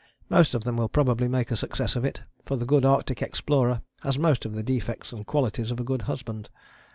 Most of them will probably make a success of it, for the good Arctic explorer has most of the defects and qualities of a good husband.